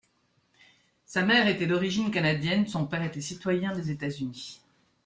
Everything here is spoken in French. Sa mère était d'origine canadienne, son père était citoyen des États-Unis.